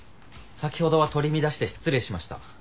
先ほどは取り乱して失礼しました。